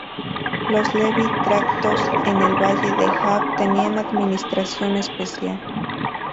Los Levy Tractos en el valle de Hab tenían administración especial.